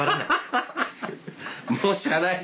もう知らない。